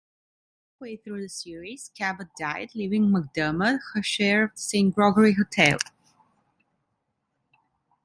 Halfway through the series Cabot died, leaving McDermott her share of the St.Gregory Hotel.